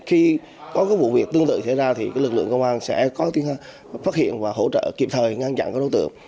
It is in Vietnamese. khi có vụ việc tương tự xảy ra thì lực lượng công an sẽ có phát hiện và hỗ trợ kịp thời ngăn chặn các đối tượng